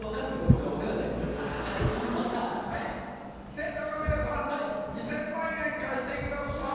生徒の皆さん２０００万円貸してください！